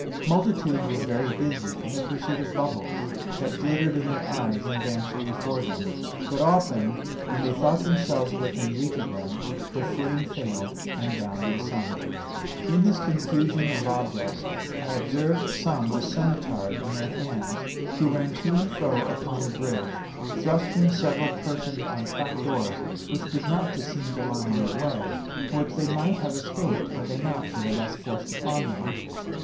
Multitudes were very busy in the pursuit of bubbles that glittered in their eyes and danced before them; but often, when they thought themselves within reach of them, their footing failed and down they sunk. "In this confusion of objects, I observed some with scymetars in their hands, who ran to and fro upon the bridge, thrusting several persons on trap doors which did not seem to lie in their way, and which they might have escaped had they not been thus forced upon them.